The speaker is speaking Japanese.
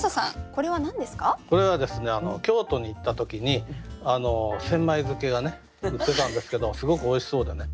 これはですね京都に行った時に千枚漬けが売ってたんですけどすごくおいしそうでね。